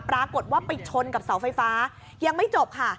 ปรากฏว่าไปชนกับเสาไฟฟ้ายังไม่จบค่ะ